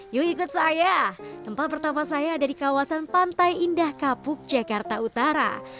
yuk ikut saya tempat pertama saya ada di kawasan pantai indah kapuk jakarta utara